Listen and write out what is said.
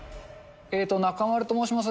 中丸と申します。